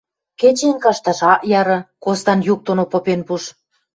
Кӹчен кашташ ак яры! – костан юк доно попен пуш.